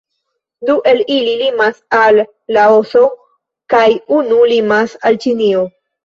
Du el ili limas al Laoso kaj unu limas al Ĉinio.